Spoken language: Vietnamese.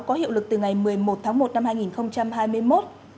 có hiệu lực từ ngày một mươi một tháng một năm hai nghìn hai mươi một